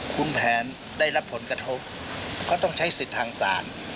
คุณแผนได้รับผลกระทบก็ต้องใช้สิทธิ์ทางศาล